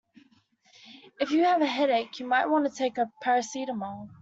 If you have a headache you might want to take a paracetamol